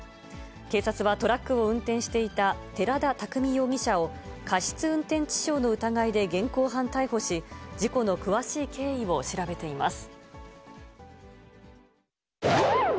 警察はトラックを運転していた寺田拓海容疑者を、過失運転致傷の疑いで現行犯逮捕し、事故の詳しい経緯を調べています。